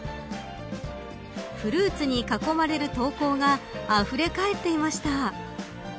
フルーツに囲まれる投稿があふれかえっていました。